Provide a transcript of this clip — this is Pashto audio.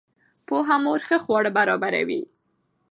پوهه مور ښه خواړه برابروي.